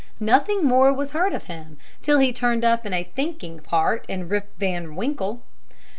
Nothing more was heard of him till he turned up in a thinking part in "Rip Van Winkle."